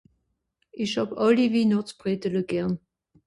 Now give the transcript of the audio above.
Esch hàb allí Winàchtsbredele gern